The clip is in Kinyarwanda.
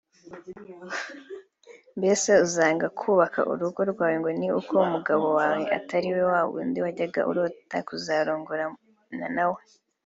Mbese uzanga kubaka urugo rwawe ngo ni uko umugabo wawe atari wa wundi wajyaga urota kuzarongorwa na we